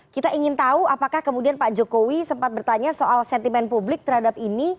kita ingin tahu apakah kemudian pak jokowi sempat bertanya soal sentimen publik terhadap ini